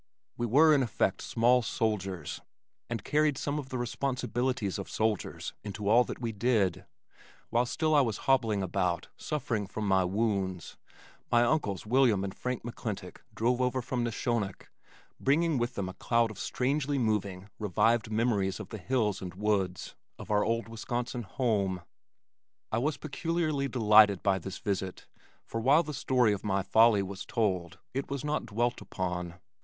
We were in effect small soldiers and carried some of the responsibilities of soldiers into all that we did. While still I was hobbling about, suffering from my wounds my uncles William and Frank McClintock drove over from Neshonoc bringing with them a cloud of strangely moving revived memories of the hills and woods of our old Wisconsin home. I was peculiarly delighted by this visit, for while the story of my folly was told, it was not dwelt upon.